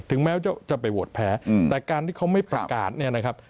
แม้จะไปโหวตแพ้แต่การที่เขาไม่ประกาศเนี่ยนะครับ